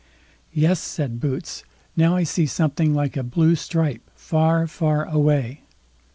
"Yes", said Boots, "now I see something like a blue stripe, far far away."